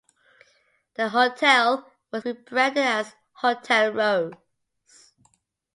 The hotel was rebranded as Hotel Rose.